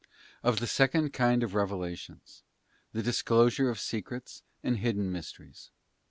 Of the second kind of Revelations, the disclosure of secrets and hidden mysteries.